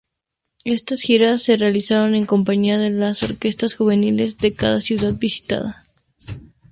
Estas giras las realizaron en compañía de las orquestas juveniles de cada ciudad visitada.